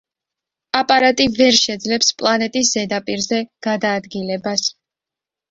აპარატი ვერ შეძლებს პლანეტის ზედაპირზე გადაადგილებას.